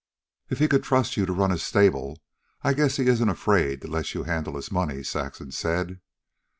"If he could trust you to run his stable, I guess he isn't afraid to let you handle his money," Saxon said.